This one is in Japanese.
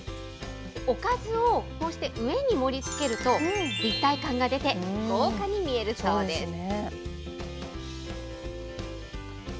おかずをこうして上に盛りつけると、立体感が出て豪華に見えるそうです。